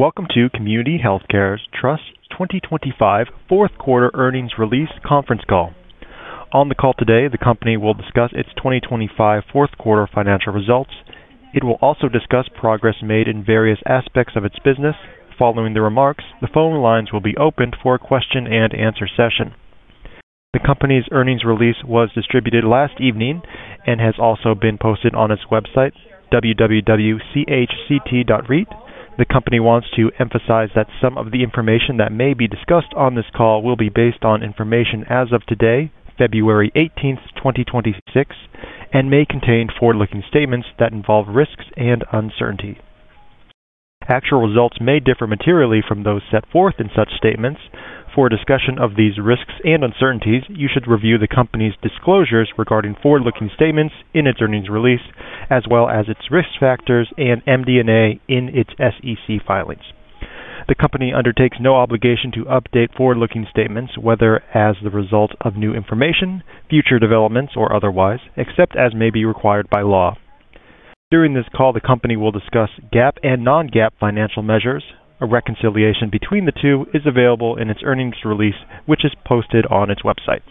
Welcome to Community Healthcare Trust's 2025 Fourth Quarter Earnings Release Conference Call. On the call today, the company will discuss its 2025 fourth quarter financial results. It will also discuss progress made in various aspects of its business. Following the remarks, the phone lines will be opened for a question-and-answer session. The company's earnings release was distributed last evening and has also been posted on its website, www.chct.reit. The company wants to emphasize that some of the information that may be discussed on this call will be based on information as of today, February 18th, 2026, and may contain forward-looking statements that involve risks and uncertainty. Actual results may differ materially from those set forth in such statements. For a discussion of these risks and uncertainties, you should review the company's disclosures regarding forward-looking statements in its earnings release, as well as its risk factors and MD&A in its SEC filings. The company undertakes no obligation to update forward-looking statements, whether as the result of new information, future developments, or otherwise, except as may be required by law. During this call, the company will discuss GAAP and non-GAAP financial measures. A reconciliation between the two is available in its earnings release, which is posted on its website.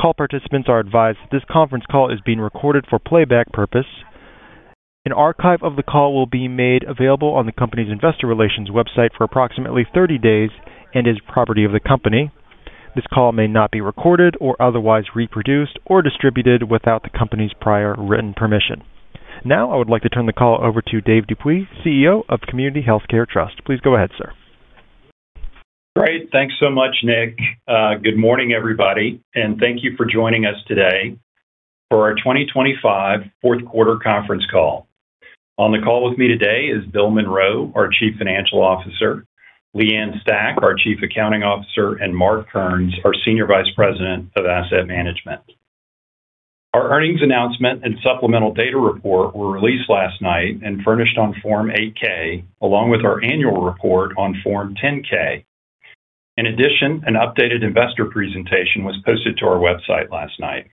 Call participants are advised this conference call is being recorded for playback purpose. An archive of the call will be made available on the company's investor relations website for approximately 30 days and is property of the company. This call may not be recorded or otherwise reproduced or distributed without the company's prior written permission. Now, I would like to turn the call over to Dave Dupuy, CEO of Community Healthcare Trust. Please go ahead, sir. Great. Thanks so much, Nick. Good morning, everybody, and thank you for joining us today for our 2025 fourth quarter conference call. On the call with me today is Bill Monroe, our Chief Financial Officer, Leigh Ann Stach, our Chief Accounting Officer, and Mark Kearns, our Senior Vice President of Asset Management. Our earnings announcement and supplemental data report were released last night and furnished on Form 8-K, along with our annual report on Form 10-K. In addition, an updated investor presentation was posted to our website last night.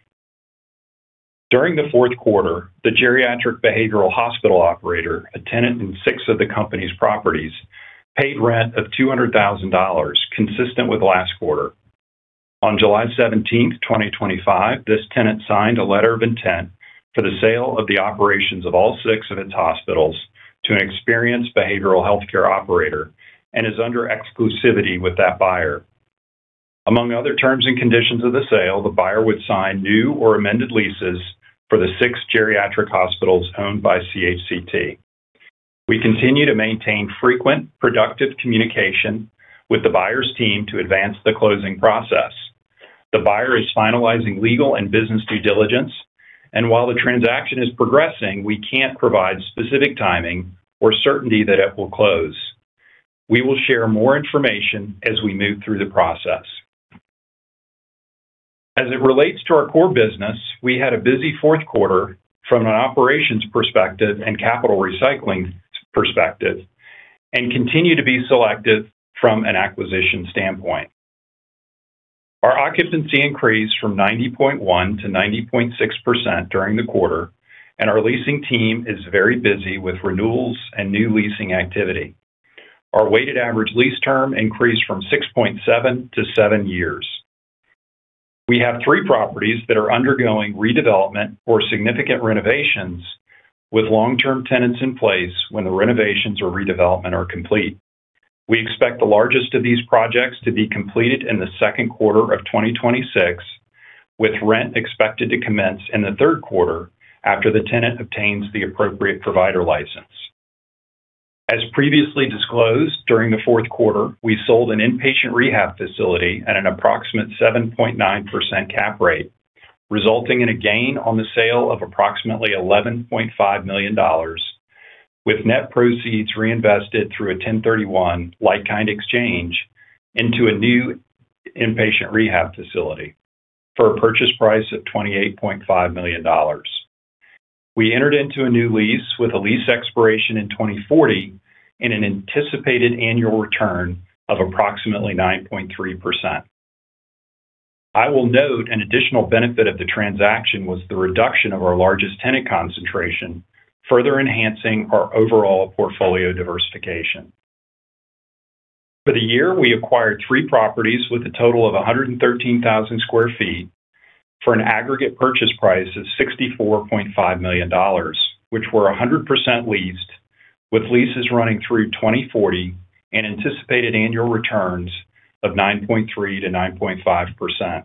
During the fourth quarter, the geriatric behavioral hospital operator, a tenant in six of the company's properties, paid rent of $200,000, consistent with last quarter. On July 17th, 2025, this tenant signed a letter of intent for the sale of the operations of all six of its hospitals to an experienced behavioral healthcare operator and is under exclusivity with that buyer. Among other terms and conditions of the sale, the buyer would sign new or amended leases for the six geriatric hospitals owned by CHCT. We continue to maintain frequent, productive communication with the buyer's team to advance the closing process. The buyer is finalizing legal and business due diligence, and while the transaction is progressing, we can't provide specific timing or certainty that it will close. We will share more information as we move through the process. As it relates to our core business, we had a busy fourth quarter from an operations perspective and capital recycling perspective, and continue to be selective from an acquisition standpoint. Our occupancy increased from 90.1% to 90.6% during the quarter, and our leasing team is very busy with renewals and new leasing activity. Our weighted average lease term increased from 6.7 to seven years. We have three properties that are undergoing redevelopment or significant renovations, with long-term tenants in place when the renovations or redevelopment are complete. We expect the largest of these projects to be completed in the second quarter of 2026, with rent expected to commence in the third quarter after the tenant obtains the appropriate provider license. As previously disclosed, during the fourth quarter, we sold an inpatient rehab facility at an approximate 7.9% cap rate, resulting in a gain on the sale of approximately $11.5 million, with net proceeds reinvested through a 1031 like-kind exchange into a new inpatient rehab facility for a purchase price of $28.5 million. We entered into a new lease with a lease expiration in 2040 and an anticipated annual return of approximately 9.3%. I will note an additional benefit of the transaction was the reduction of our largest tenant concentration, further enhancing our overall portfolio diversification. For the year, we acquired three properties with a total of 113,000 sq ft for an aggregate purchase price of $64.5 million, which were 100% leased, with leases running through 2040 and anticipated annual returns of 9.3%-9.5%.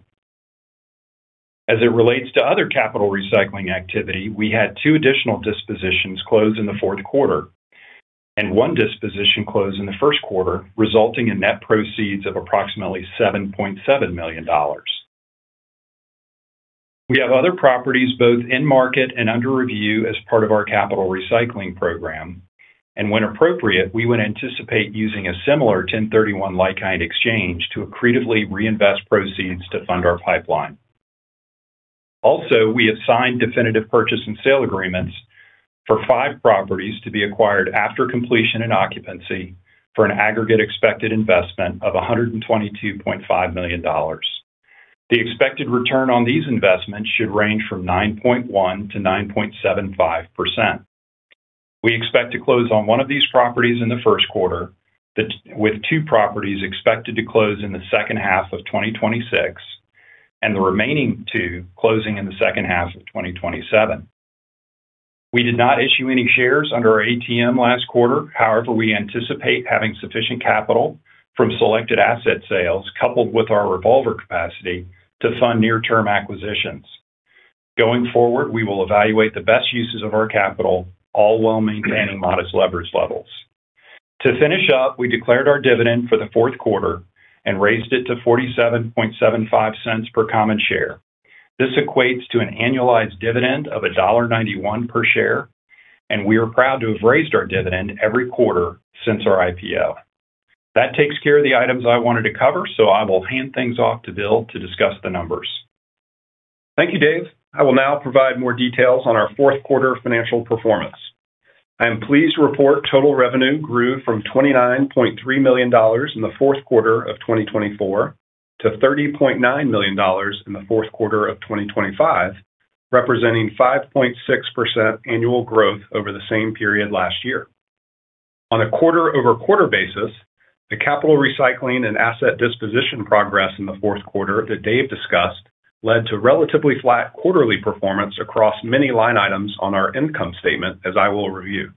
As it relates to other capital recycling activity, we had two additional dispositions closed in the fourth quarter and one disposition closed in the first quarter, resulting in net proceeds of approximately $7.7 million. We have other properties, both in market and under review, as part of our capital recycling program, and when appropriate, we would anticipate using a similar 1031 like-kind exchange to accretively reinvest proceeds to fund our pipeline. Also, we have signed definitive purchase and sale agreements for five properties to be acquired after completion and occupancy for an aggregate expected investment of $122.5 million. The expected return on these investments should range from 9.1%-9.75%. We expect to close on one of these properties in the first quarter, with two properties expected to close in the second half of 2026, and the remaining two closing in the second half of 2027. We did not issue any shares under our ATM last quarter. However, we anticipate having sufficient capital from selected asset sales, coupled with our revolver capacity, to fund near-term acquisitions. Going forward, we will evaluate the best uses of our capital, all while maintaining modest leverage levels. To finish up, we declared our dividend for the fourth quarter and raised it to $0.4775 per common share. This equates to an annualized dividend of $1.91 per share, and we are proud to have raised our dividend every quarter since our IPO. That takes care of the items I wanted to cover, so I will hand things off to Bill to discuss the numbers. Thank you, Dave. I will now provide more details on our fourth quarter financial performance. I am pleased to report total revenue grew from $29.3 million in the fourth quarter of 2024 to $30.9 million in the fourth quarter of 2025, representing 5.6% annual growth over the same period last year. On a quarter-over-quarter basis, the capital recycling and asset disposition progress in the fourth quarter that Dave discussed led to relatively flat quarterly performance across many line items on our income statement, as I will review.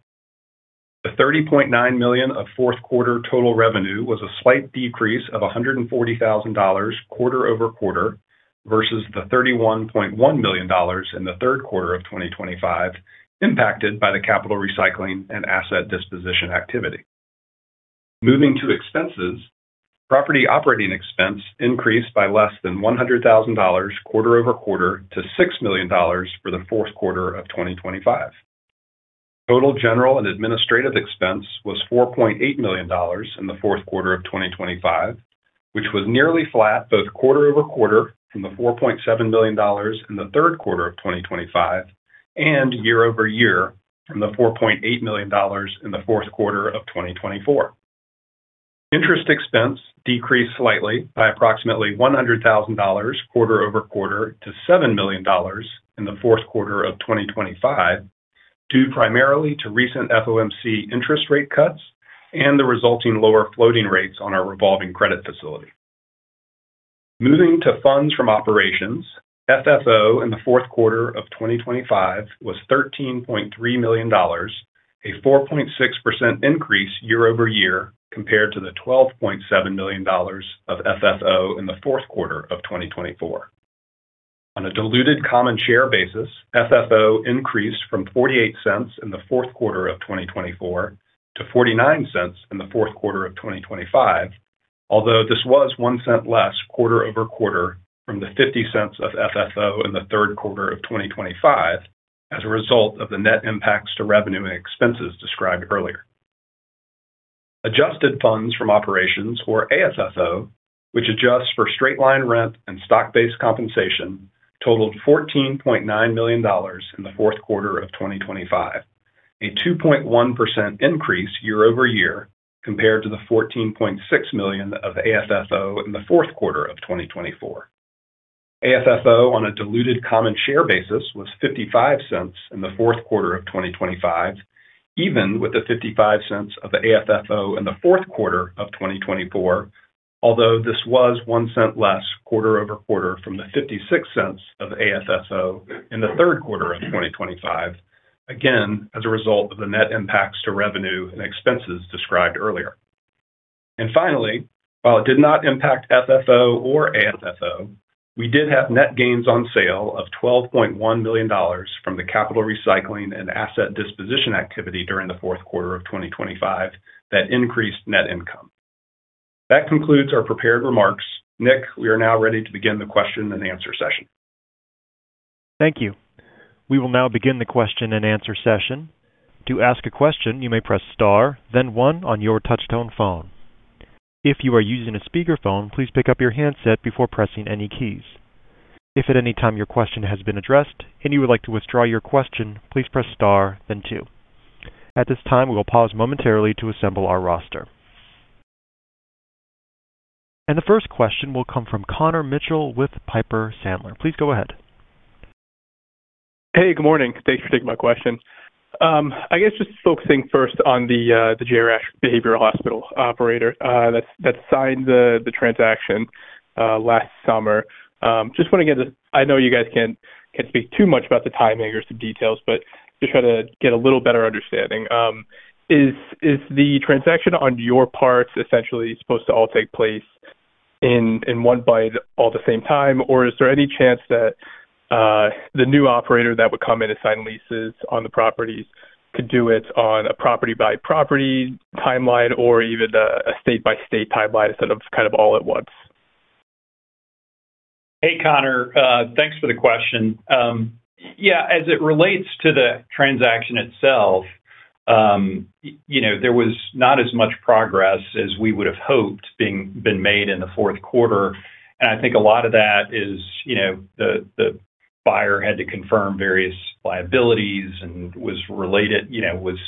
The $30.9 million of fourth quarter total revenue was a slight decrease of $140,000 quarter over quarter, versus the $31.1 million in the third quarter of 2025, impacted by the capital recycling and asset disposition activity. Moving to expenses, property operating expense increased by less than $100,000 quarter-over-quarter to $6 million for the fourth quarter of 2025. Total general and administrative expense was $4.8 million in the fourth quarter of 2025, which was nearly flat both quarter-over-quarter from the $4.7 million in the third quarter of 2025, and year-over-year from the $4.8 million in the fourth quarter of 2024. Interest expense decreased slightly by approximately $100,000 quarter-over-quarter to $7 million in the fourth quarter of 2025, due primarily to recent FOMC interest rate cuts and the resulting lower floating rates on our revolving credit facility. Moving to funds from operations, FFO in the fourth quarter of 2025 was $13.3 million, a 4.6% increase year-over-year compared to the $12.7 million of FFO in the fourth quarter of 2024. On a diluted common share basis, FFO increased from $0.48 in the fourth quarter of 2024 to $0.49 in the fourth quarter of 2025, although this was 1 cent less quarter-over-quarter from the $0.50 of FFO in the third quarter of 2025 as a result of the net impacts to revenue and expenses described earlier. Adjusted funds from operations, or AFFO, which adjusts for straight-line rent and stock-based compensation, totaled $14.9 million in the fourth quarter of 2025, a 2.1% increase year-over-year compared to the $14.6 million of AFFO in the fourth quarter of 2024. AFFO on a diluted common share basis was $0.55 in the fourth quarter of 2025, even with the $0.55 of AFFO in the fourth quarter of 2024, although this was 1 cent less quarter-over-quarter from the $0.56 of AFFO in the third quarter of 2025, again, as a result of the net impacts to revenue and expenses described earlier. And finally, while it did not impact FFO or AFFO, we did have net gains on sale of $12.1 million from the capital recycling and asset disposition activity during the fourth quarter of 2025 that increased net income. That concludes our prepared remarks. Nick, we are now ready to begin the question and answer session. Thank you. We will now begin the question and answer session. To ask a question, you may press star, then one on your touchtone phone. If you are using a speakerphone, please pick up your handset before pressing any keys. If at any time your question has been addressed and you would like to withdraw your question, please press star then two. At this time, we will pause momentarily to assemble our roster. The first question will come from Connor Mitchell with Piper Sandler. Please go ahead. Hey, good morning. Thanks for taking my question. I guess just focusing first on the Geriatric Behavioral Hospital operator that signed the transaction last summer. Just want to get a-- I know you guys can't speak too much about the timing or some details, but just try to get a little better understanding. Is the transaction on your part essentially supposed to all take place in one by all the same time? Or is there any chance that the new operator that would come in and sign leases on the properties could do it on a property-by-property timeline or even a state-by-state timeline instead of kind of all at once? Hey, Connor, thanks for the question. Yeah, as it relates to the transaction itself, you know, there was not as much progress as we would have hoped being made in the fourth quarter. I think a lot of that is, you know, the buyer had to confirm various liabilities and was related, you know, was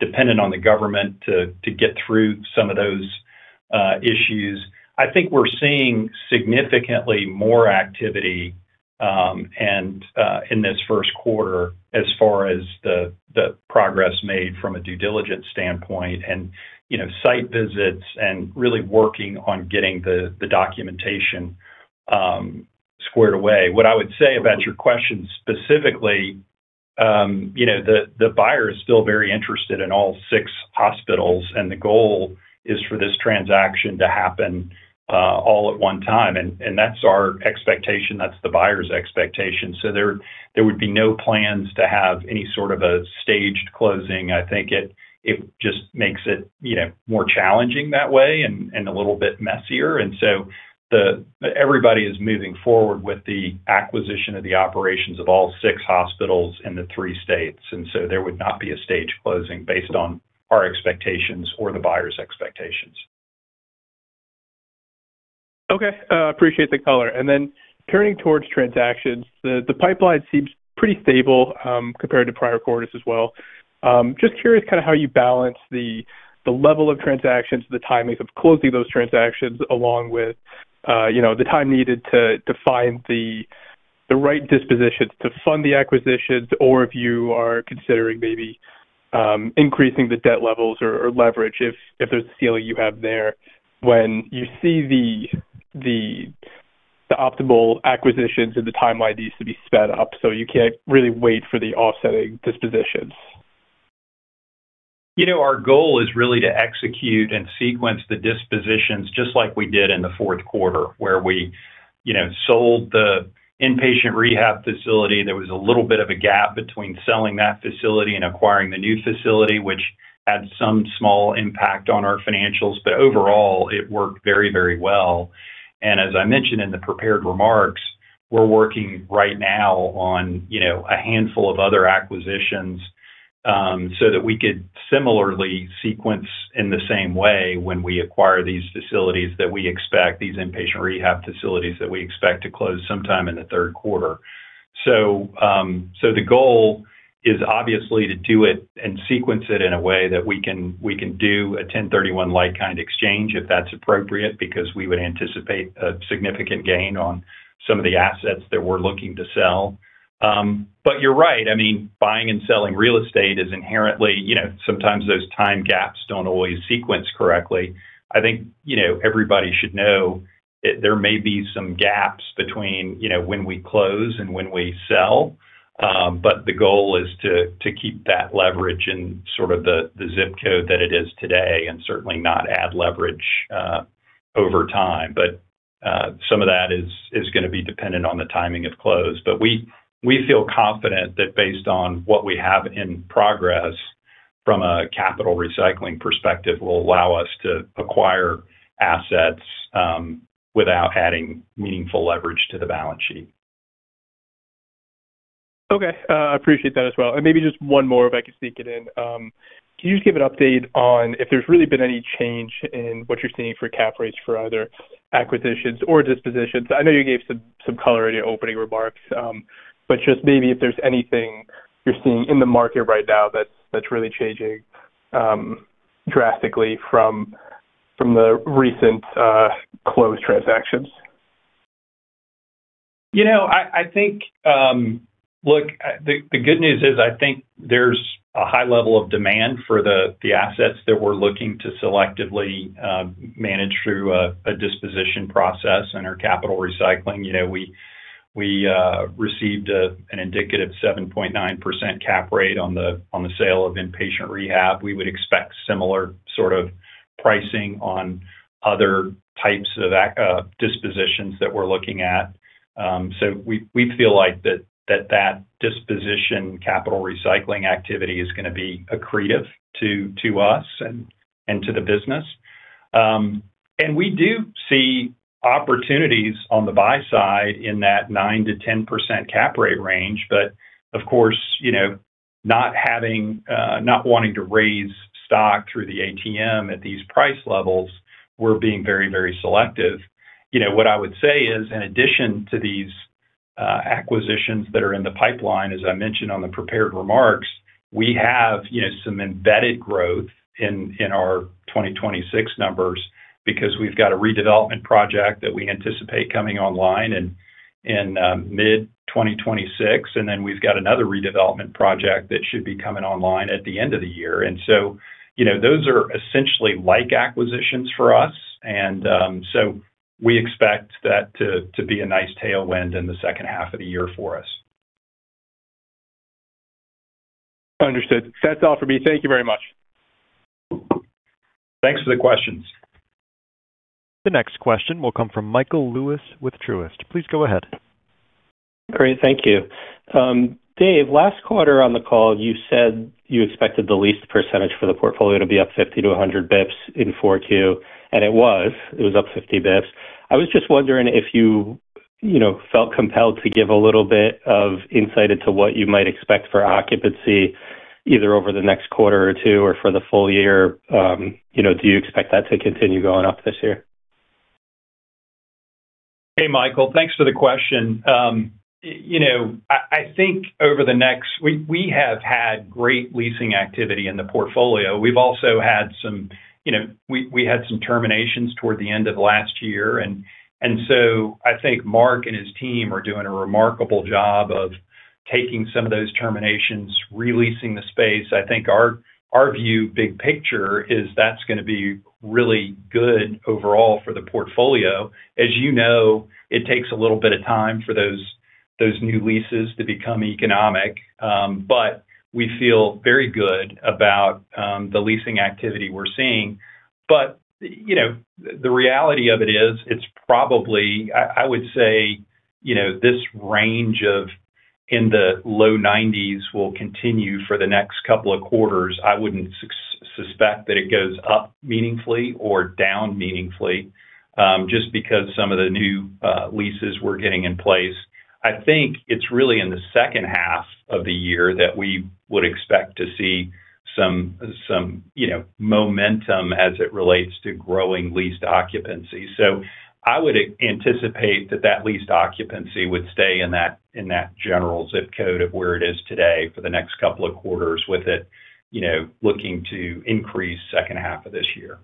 dependent on the government to get through some of those issues. I think we're seeing significantly more activity in this first quarter, as far as the progress made from a due diligence standpoint and, you know, site visits and really working on getting the documentation squared away. What I would say about your question specifically, you know, the buyer is still very interested in all six hospitals, and the goal is for this transaction to happen all at one time. And that's our expectation, that's the buyer's expectation. So there would be no plans to have any sort of a staged closing. I think it just makes it, you know, more challenging that way and a little bit messier. And so everybody is moving forward with the acquisition of the operations of all six hospitals in the three states, and so there would not be a staged closing based on our expectations or the buyer's expectations. Okay. Appreciate the color. And then, turning towards transactions, the pipeline seems pretty stable compared to prior quarters as well. Just curious kind of how you balance the level of transactions, the timing of closing those transactions, along with, you know, the time needed to find the right dispositions to fund the acquisitions, or if you are considering maybe increasing the debt levels or leverage, if there's a ceiling you have there, when you see the optimal acquisitions and the timeline needs to be sped up, so you can't really wait for the offsetting dispositions. You know, our goal is really to execute and sequence the dispositions, just like we did in the fourth quarter, where we, you know, sold the inpatient rehab facility. There was a little bit of a gap between selling that facility and acquiring the new facility, which had some small impact on our financials. But overall, it worked very, very well. And as I mentioned in the prepared remarks, we're working right now on, you know, a handful of other acquisitions, so that we could similarly sequence in the same way when we acquire these facilities, that we expect these inpatient rehab facilities that we expect to close sometime in the third quarter. So, so the goal is obviously to do it and sequence it in a way that we can, we can do a 1031 Like-Kind Exchange, if that's appropriate, because we would anticipate a significant gain on some of the assets that we're looking to sell. But you're right. I mean, buying and selling real estate is inherently, you know, sometimes those time gaps don't always sequence correctly. I think, you know, everybody should know that there may be some gaps between, you know, when we close and when we sell, but the goal is to, to keep that leverage in sort of the, the zip code that it is today, and certainly not add leverage over time. But some of that is, is gonna be dependent on the timing of close. We feel confident that based on what we have in progress from a capital recycling perspective, will allow us to acquire assets without adding meaningful leverage to the balance sheet. Okay, I appreciate that as well. Maybe just one more, if I could sneak it in. Can you just give an update on if there's really been any change in what you're seeing for cap rates for other acquisitions or dispositions? I know you gave some, some color in your opening remarks, but just maybe if there's anything you're seeing in the market right now that's, that's really changing, drastically from, from the recent, closed transactions. You know, I think... Look, the good news is, I think there's a high level of demand for the assets that we're looking to selectively manage through a disposition process and our capital recycling. You know, we received an indicative 7.9% cap rate on the sale of inpatient rehab. We would expect similar sort of pricing on other types of dispositions that we're looking at. So we feel like that disposition capital recycling activity is gonna be accretive to us and to the business. And we do see opportunities on the buy side in that 9%-10% cap rate range. But of course, you know, not having, not wanting to raise stock through the ATM at these price levels, we're being very, very selective. You know, what I would say is, in addition to these, acquisitions that are in the pipeline, as I mentioned on the prepared remarks, we have, you know, some embedded growth in our 2026 numbers, because we've got a redevelopment project that we anticipate coming online in mid-2026, and then we've got another redevelopment project that should be coming online at the end of the year. And so, you know, those are essentially like acquisitions for us, and, so we expect that to be a nice tailwind in the second half of the year for us. Understood. That's all for me. Thank you very much. Thanks for the questions. The next question will come from Michael Lewis with Truist. Please go ahead. Great. Thank you. Dave, last quarter on the call, you said you expected the lease percentage for the portfolio to be up 50-100 basis points in Q2, and it was, it was up 50 basis points. I was just wondering if you, you know, felt compelled to give a little bit of insight into what you might expect for occupancy, either over the next quarter or two, or for the full year. You know, do you expect that to continue going up this year? ... Hey, Michael, thanks for the question. You know, I think over the next—we have had great leasing activity in the portfolio. We've also had some... You know, we had some terminations toward the end of last year. And so I think Mark and his team are doing a remarkable job of taking some of those terminations, re-leasing the space. I think our view, big picture, is that's gonna be really good overall for the portfolio. As you know, it takes a little bit of time for those new leases to become economic. But we feel very good about the leasing activity we're seeing. But you know, the reality of it is, it's probably I would say you know, this range of in the low nineties will continue for the next couple of quarters. I wouldn't suspect that it goes up meaningfully or down meaningfully, just because some of the new leases we're getting in place. I think it's really in the second half of the year that we would expect to see some you know, momentum as it relates to growing leased occupancy. So I would anticipate that that leased occupancy would stay in that, in that general zip code of where it is today for the next couple of quarters, with it, you know, looking to increase second half of this year.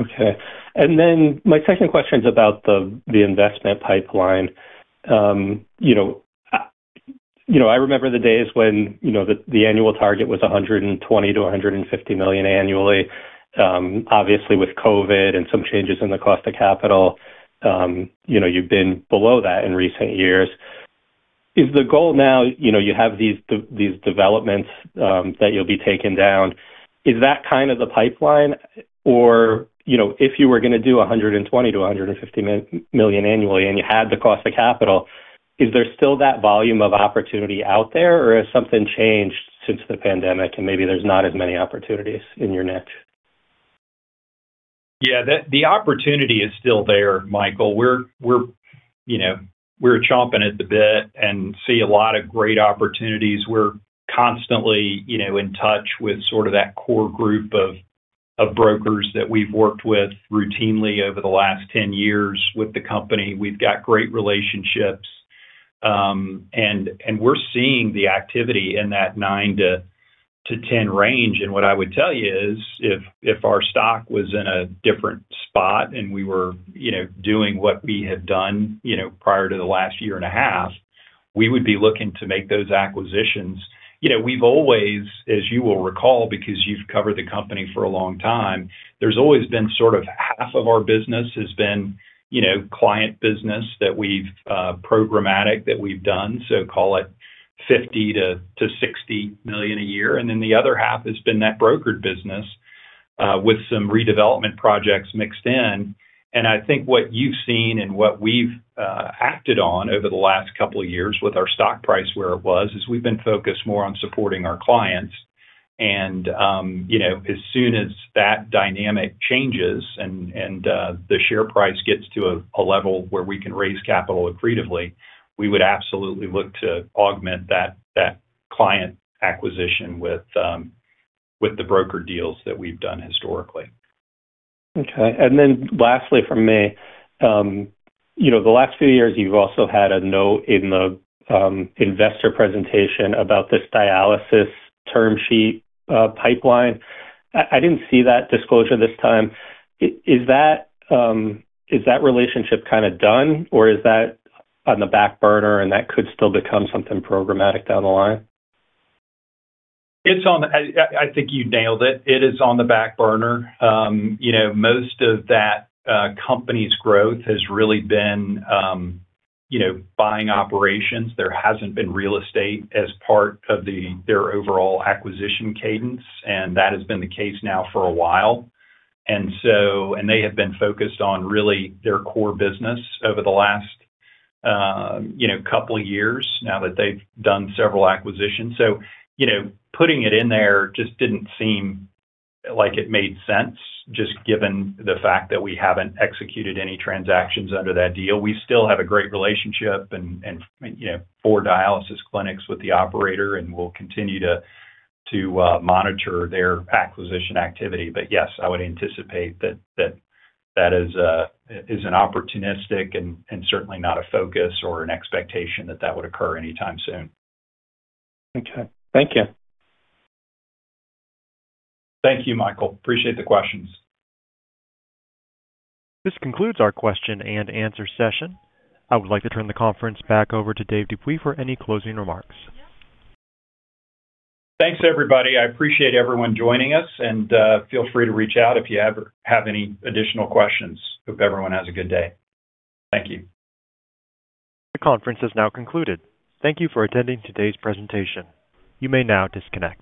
Okay. And then my second question's about the investment pipeline. You know, I remember the days when you know, the annual target was $120 million-$150 million annually. Obviously, with COVID and some changes in the cost of capital, you know, you've been below that in recent years. Is the goal now, you know, you have these developments that you'll be taking down, is that kind of the pipeline? Or, you know, if you were gonna do $120 million-$150 million annually, and you had the cost of capital, is there still that volume of opportunity out there, or has something changed since the pandemic, and maybe there's not as many opportunities in your niche? Yeah, the opportunity is still there, Michael. We're, you know, we're chomping at the bit and see a lot of great opportunities. We're constantly, you know, in touch with sort of that core group of brokers that we've worked with routinely over the last 10 years with the company. We've got great relationships, and we're seeing the activity in that 9-10 range. And what I would tell you is, if our stock was in a different spot, and we were, you know, doing what we had done, you know, prior to the last year and a half, we would be looking to make those acquisitions. You know, we've always, as you will recall, because you've covered the company for a long time, there's always been sort of half of our business has been, you know, client business that we've... programmatic, that we've done. So call it $50 million-$60 million a year, and then the other half has been that brokered business, with some redevelopment projects mixed in. And I think what you've seen and what we've acted on over the last couple of years, with our stock price where it was, is we've been focused more on supporting our clients. And, you know, as soon as that dynamic changes and the share price gets to a level where we can raise capital accretively, we would absolutely look to augment that client acquisition with the broker deals that we've done historically. Okay. Then lastly from me, you know, the last few years, you've also had a note in the investor presentation about this dialysis term sheet pipeline. I didn't see that disclosure this time. Is that relationship kind of done, or is that on the back burner, and that could still become something programmatic down the line? It's on. I think you nailed it. It is on the back burner. You know, most of that company's growth has really been, you know, buying operations. There hasn't been real estate as part of their overall acquisition cadence, and that has been the case now for a while. And they have been focused on really their core business over the last, you know, couple of years, now that they've done several acquisitions. So, you know, putting it in there just didn't seem like it made sense, just given the fact that we haven't executed any transactions under that deal. We still have a great relationship and, you know, four dialysis clinics with the operator, and we'll continue to monitor their acquisition activity. But yes, I would anticipate that that is an opportunistic and certainly not a focus or an expectation that that would occur anytime soon. Okay. Thank you. Thank you, Michael. Appreciate the questions. This concludes our question and answer session. I would like to turn the conference back over to Dave Dupuy for any closing remarks. Thanks, everybody. I appreciate everyone joining us, and feel free to reach out if you ever have any additional questions. Hope everyone has a good day. Thank you. The conference is now concluded. Thank you for attending today's presentation. You may now disconnect.